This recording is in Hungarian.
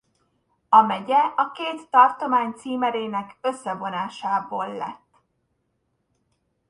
A megye a két tartomány címerének összevonásából lett.